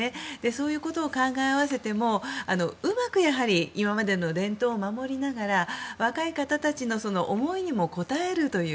そういうことを考え併せてもうまく今までの伝統を守りながら若い方たちの思いにも応えるという。